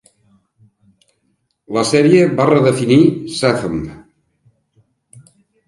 La sèrie va redefinir Shazam!